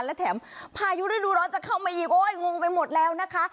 และแถมพายุฤดูร้อนจะเข้ามาอีกโอ้ยงงไปหมดแล้วนะคะ